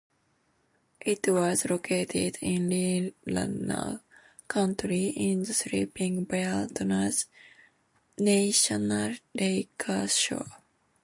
It was located in Leelanau County in the Sleeping Bear Dunes National Lakeshore.